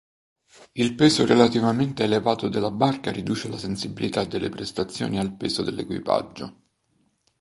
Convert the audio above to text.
Il peso relativamente elevato della barca riduce la sensibilità delle prestazioni al peso dell'equipaggio.